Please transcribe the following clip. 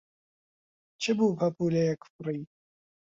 چ بوو پەپوولەیەک فڕی